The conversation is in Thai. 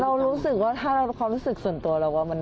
เรารู้สึกว่าถ้าความรู้สึกส่วนตัวเราว่า